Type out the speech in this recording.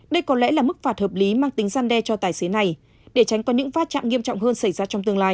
đây có lẽ là mức phạt hợp lý mang tính gian đe cho tài xế này để tránh có những va chạm nghiêm trọng hơn xảy ra trong tương lai